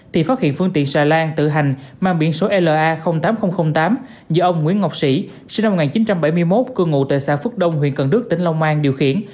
thì phát hiện phương tiện xà lan tự hành mang biển số la tám nghìn tám do ông nguyễn ngọc sĩ sinh năm một nghìn chín trăm bảy mươi một cư ngụ tại xã phước đông huyện cần đước tỉnh long an điều khiển